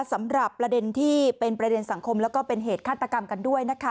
สำหรับประเด็นที่เป็นประเด็นสังคมแล้วก็เป็นเหตุฆาตกรรมกันด้วยนะคะ